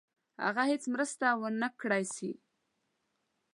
هغه هیڅ مرسته ونه کړای سي.